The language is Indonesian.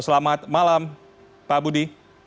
selamat malam pak budi